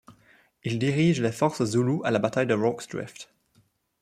Il dirige les forces zoulou à la bataille de Rorke's Drift.